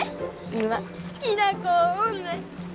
今好きな子おんねん！